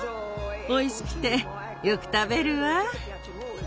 おいしくてよく食べるわ。